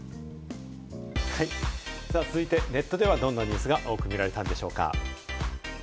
続いてネットではどんなニュースが多く見られたんでしょうか？